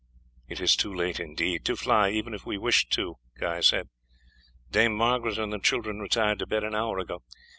"It is too late, indeed, to fly, even if we wished to," Guy said. "Dame Margaret and the children retired to bed an hour ago.